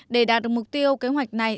để đạt được mục tiêu kế hoạch này